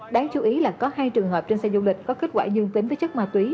đáng chú ý là có hai trường hợp trên xe du lịch có kết quả dương tính với chất ma túy